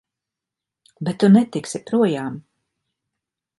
Bet tu netiksi projām!